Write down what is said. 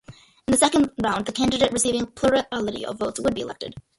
In the second round, the candidate receiving a plurality of votes would be elected.